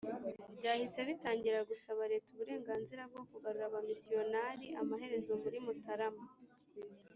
byahise bitangira gusaba leta uburenganzira bwo kugarura abamisiyonari Amaherezo muri Mutarama